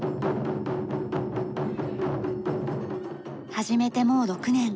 始めてもう６年。